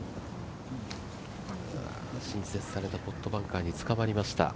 新設されたポットバンカーにつかまりました。